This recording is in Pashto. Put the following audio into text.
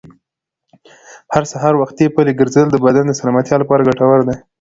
هر سهار وختي پلي ګرځېدل د بدن د سلامتیا لپاره ډېر ګټور دي.